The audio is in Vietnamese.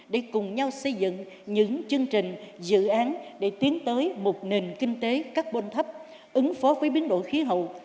để cùng nhau xây dựng những chương trình dự án để tiến tới một nền kinh tế carbon thấp ứng phó với biến đổi khí hậu